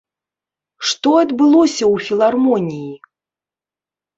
Што адбылося ў філармоніі?